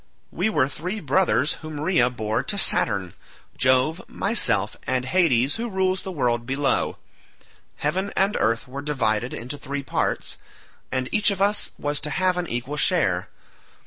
We were three brothers whom Rhea bore to Saturn—Jove, myself, and Hades who rules the world below. Heaven and earth were divided into three parts, and each of us was to have an equal share.